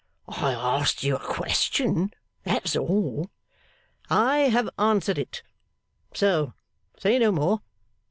'I asked you a question. That's all.' 'I have answered it. So, say no more.